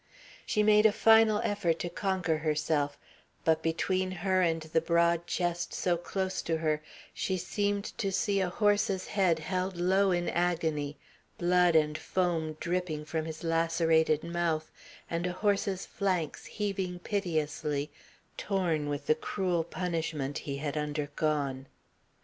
She made a final effort to conquer herself, but between her and the broad chest so close to her she seemed to see a horse's head held low in agony, blood and foam dripping from his lacerated mouth, and a horse's flanks heaving piteously, torn with the cruel punishment he had undergone.